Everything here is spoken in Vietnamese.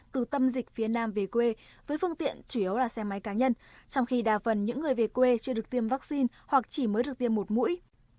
từ tâm dịch phía nam về quê với phương tiện chủ yếu là xe máy cá nhân trong khi đa phần những người về quê chưa được tiêm vaccine hoặc chỉ mới được tiêm một mũi